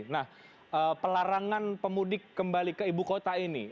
nah pelarangan pemudik kembali ke ibu kota ini